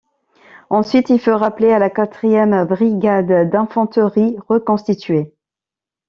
Ensuite il fut rappelé à la Quatrième brigade d’infanterie reconstituée.